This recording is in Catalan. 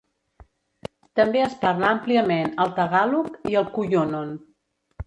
També es parla àmpliament el tagàlog i el cuyonon.